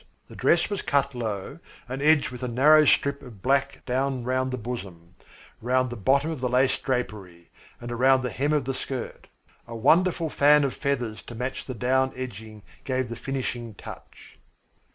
The dress was cut low and edged with a narrow strip of black down around the bosom, around the bottom of the lace drapery, and around the hem of the skirt. A wonderful fan of feathers to match the down edging gave the finishing touch.